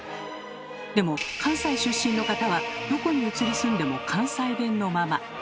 でも関西出身の方はどこに移り住んでも関西弁のまま。